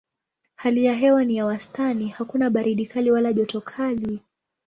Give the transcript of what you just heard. Hali ya hewa ni ya wastani: hakuna baridi kali wala joto kali.